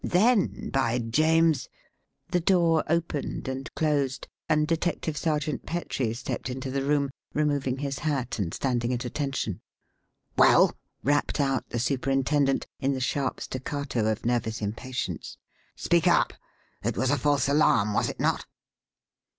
Then, by James.... The door opened and closed, and Detective Sergeant Petrie stepped into the room, removing his hat and standing at attention. "Well?" rapped out the superintendent, in the sharp staccato of nervous impatience. "Speak up! It was a false alarm, was it not?"